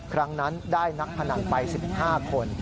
ครั้งนั้นได้นักพนันไป๑๕คน